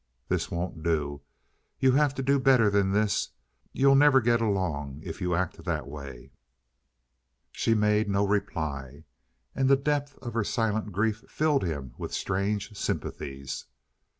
"This won't do. You have to do better than this. You'll never get along if you act that way." She made no reply, and the depth of her silent grief filled him with strange sympathies.